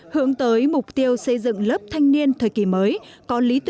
hướng tới mục tiêu xây dựng lớp thanh niên thời kỳ mới